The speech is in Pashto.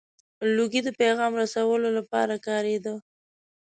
• لوګی د پیغام رسولو لپاره کارېده.